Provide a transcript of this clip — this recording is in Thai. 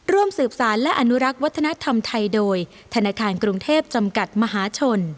ร่วมสืบสารและอนุรักษ์วัฒนธรรมไทยโดยธนาคารกรุงเทพจำกัดมหาชน